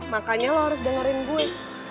makanya lo harus dengerin gue